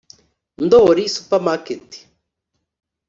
Ndoli Supermarket